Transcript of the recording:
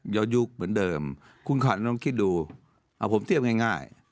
ยุคเหมือนเดิมคุณขวัญลองคิดดูเอาผมเทียบง่าย